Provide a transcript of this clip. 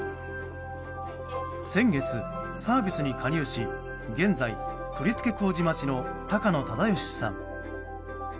先月、サービスに加入し現在、取り付け工事待ちの高野忠義さん。